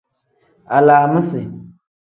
Alaamisi.